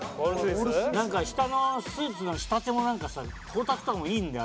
なんか下のスーツの仕立てもなんかさ光沢感もいいんだよ。